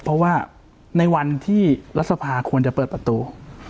เพราะว่าในวันที่รัฐสภาควรจะเปิดประตู